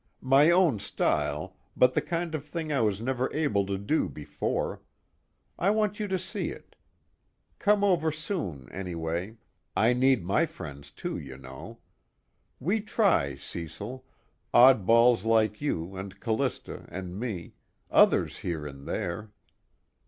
"My own style, but the kind of thing I was never able to do before. I want you to see it. Come over soon anyway I need my friends too, you know. We try, Cecil, oddballs like you and Callista and me, others here and there.